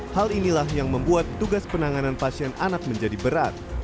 hal inilah yang membuat tugas penanganan pasien anak menjadi berat